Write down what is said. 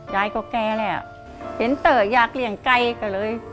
ย้ายก็แกแล้วเห็นเต๋อยากเลี้ยงไก่ก็เลย